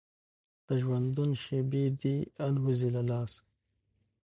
د ژوندون شېبې دي الوزي له لاسه